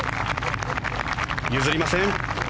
譲りません。